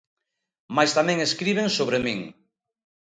Mais tamén escriben sobre min.